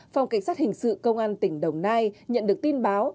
phòng cảnh sát hình sự công an tỉnh đồng nai nhận được tin báo